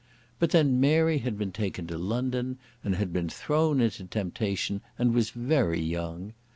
But then Mary had been taken to London, and had been thrown into temptation, and was very young.